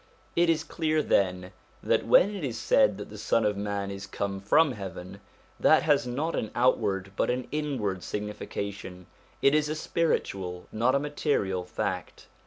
It is clear, then, that when it is said that the Son of man is come from heaven, this has not an outward but an inward signification ; it is a spiritual, not a material, fact.